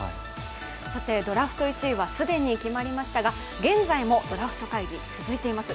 ドラフト１位は既に決まりましたが、現在もドラフト会議、続いています